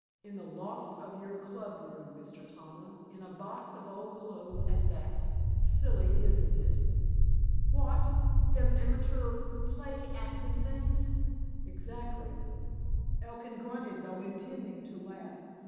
In the loft of your club room, Mr. Tomlin. In a box of old clothes at that. Silly, isn't it?" "Wot! Them amatoor play hactin' things?" "Exactly." Elkin grunted, though intending to laugh.